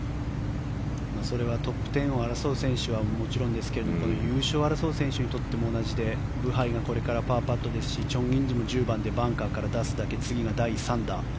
それはトップ１０を争う選手はもちろんですけれどもこの優勝を争う選手にとっても同じでブハイがこれからパーパットですしチョン・インジも１０番でバンカーから出すだけで次が第３打。